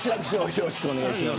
よろしくお願いします。